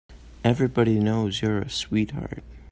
Everybody knows you're a sweetheart.